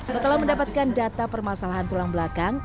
setelah mendapatkan data permasalahan tulang belakang